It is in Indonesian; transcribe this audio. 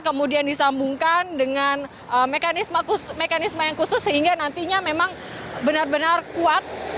kemudian disambungkan dengan mekanisme yang khusus sehingga nantinya memang benar benar kuat